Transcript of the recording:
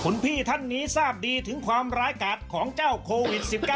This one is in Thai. คุณพี่ท่านนี้ทราบดีถึงความร้ายกาดของเจ้าโควิด๑๙